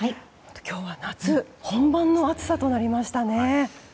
今日は夏本番の暑さとなりましたね。